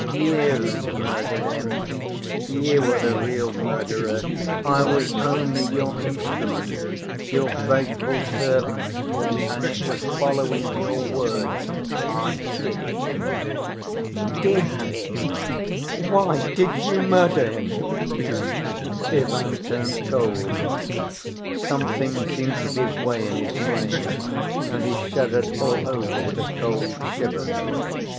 You murdered him; you are the real murderer, I was only your instrument, your faithful servant, and it was following your words I did it." "Did it? Why, did you murder him?" Ivan turned cold. Something seemed to give way in his brain, and he shuddered all over with a cold shiver.